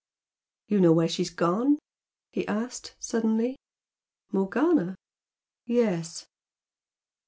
"You know where she's gone?" he asked, suddenly. "Morgana?" "Yes."